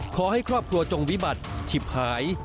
ขอให้ครอบครัวจงวิบัติฉิบหาย